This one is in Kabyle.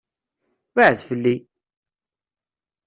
Beɛɛed fell-i!